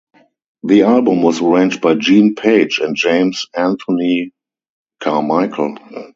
The album was arranged by Gene Page and James Anthony Carmichael.